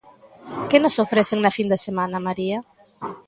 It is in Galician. Que nos ofrece na fin de semana, María?